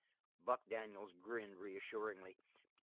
Buck Daniels grinned reassuringly.